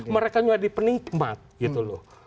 mereka jadi penikmat gitu loh